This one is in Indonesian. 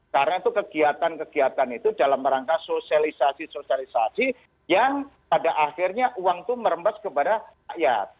karena itu kegiatan kegiatan itu dalam rangka sosialisasi sosialisasi yang pada akhirnya uang itu merembas kepada rakyat